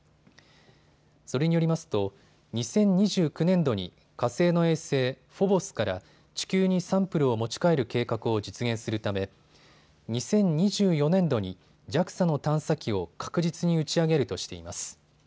それによりますと２０２９年度に火星の衛星、フォボスから地球にサンプルを持ち帰る計画を実現するため２０２４年度にＪＡＸＡの探査機を確実に打ち上げるとしています。